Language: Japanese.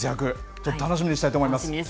ちょっと楽しみにしたいと思います。